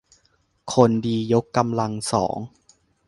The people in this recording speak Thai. คนดียกกำลังสอง